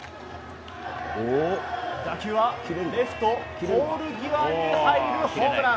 打球はレフトポール際に入るホームラン。